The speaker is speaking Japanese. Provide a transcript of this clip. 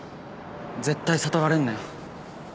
絶対悟られんなよ